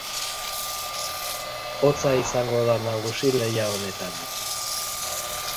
Hotza izango da nagusi lehia honetan.